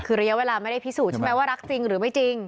คือระยะเวลาไม่ได้พิสูจนใช่ไหมว่ารักจริงหรือไม่จริง